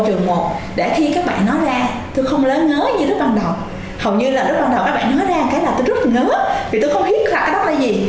trường một để khi các bạn nói ra tôi không lỡ ngớ như lúc ban đầu hầu như là lúc ban đầu các bạn nói ra là tôi rất ngớ vì tôi không hiếp khẳng cái đó là gì